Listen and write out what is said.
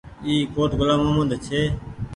اي ڪوٽ گلآم مهمد ڇي۔